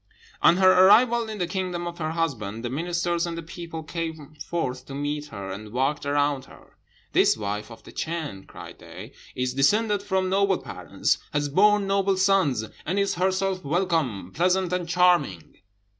"On her arrival in the kingdom of her husband, the ministers and the people came forth to meet her, and walked around her. 'This wife of the Chan,' cried they, 'is descended from noble parents, has borne noble sons, and is herself welcome, pleasant, and charming.'